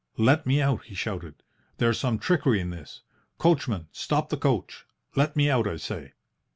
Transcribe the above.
"'Let me out!' he shouted. 'There's some trickery in this. Coachman, stop the coach! Let me out, I say!'